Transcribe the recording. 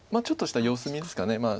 ちょっとした様子見ですか。